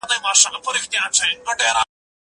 زه به اوږده موده سندري اورېدلي وم!؟